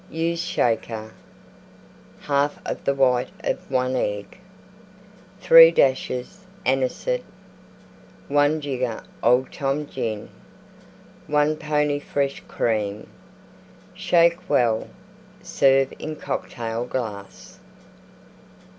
Use Shaker. 1/2 of the white of 1 Egg. 3 dashes Anisette. 1 jigger Old Tom Gin. 1 pony fresh Cream. Shake well, serve in Cocktail glass.